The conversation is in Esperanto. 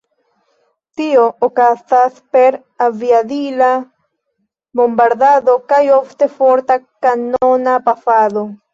Tio okazas per aviadila bombardado kaj ofte forta kanona pafado.